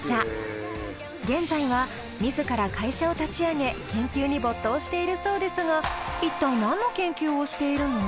現在は自ら会社を立ち上げ研究に没頭しているそうですが一体何の研究をしているの？